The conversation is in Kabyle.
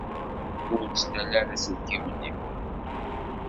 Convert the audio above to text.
Ur ttnal ara aselkim-nni.